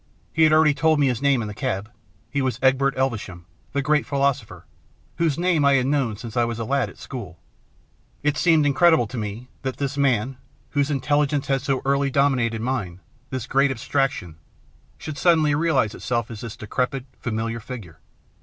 He had already told me his name in the cab; he was Egbert Elvesham, the great philosopher, whose name I had known since I was a lad at school. It seemed incredible to me that this man, whose intelligence had so early domi nated mine, this great abstraction, should suddenly STORY OF THE LATE MR. ELVESHAM 53 realise itself as this decrepit, familiar figure.